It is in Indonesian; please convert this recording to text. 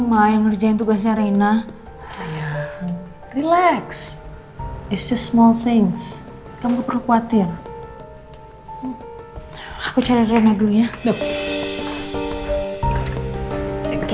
maya ngerjain itu guys rena relax isti small things kamu perlu khawatir aku carinyaemployee